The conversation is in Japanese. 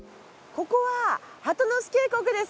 ここは鳩ノ巣渓谷です。